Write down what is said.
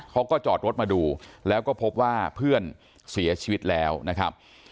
เขาก็จอดรถมาดูแล้วก็พบว่าเพื่อนเสียชีวิตแล้วนะครับ